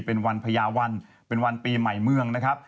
เป็นวันพญาวันเป็นวันปีใหม่เมืองนะครับ